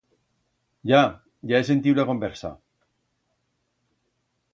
Ya, ya he sentiu la conversa.